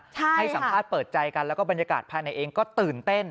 ให้สัมภาษณ์เปิดใจกันแล้วก็บรรยากาศภายในเองก็ตื่นเต้น